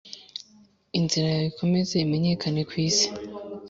Inzira yawe ikomeze imenyekane ku isi